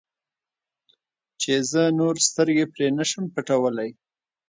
چې زه نور سترګې پرې نه شم پټولی.